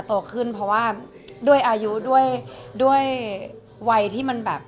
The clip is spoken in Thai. โตขึ้นเพราะว่าด้วยอายุด้วยด้วยวัยที่มันแบบ